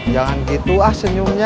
jangan gitu ah senyumnya